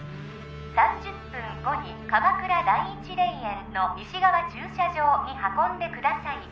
３０分後に鎌倉第一霊園の西側駐車場に運んでください